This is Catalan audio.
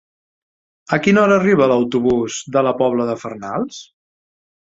A quina hora arriba l'autobús de la Pobla de Farnals?